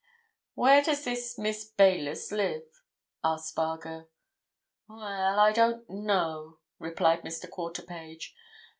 "Where does this Miss Baylis live?" asked Spargo. "Well, I don't know," replied Mr. Quarterpage.